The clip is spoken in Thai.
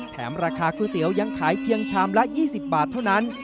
ราคาก๋วยเตี๋ยวยังขายเพียงชามละ๒๐บาทเท่านั้น